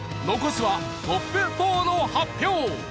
残すはトップ４の発表！